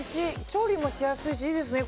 調理もしやすいしいいですね。